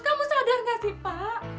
kamu sadar gak sih pak